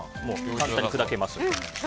簡単に砕けますので。